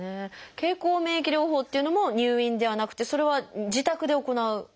経口免疫療法っていうのも入院ではなくてそれは自宅で行うものなんですか？